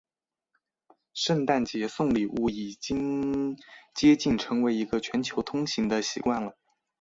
圣诞节送礼物已经接近成为一个全球通行的习惯了。